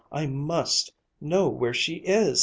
I must know where she is!'